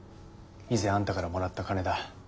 以前あんたからもらった金だ。